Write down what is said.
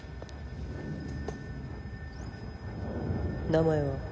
名前は？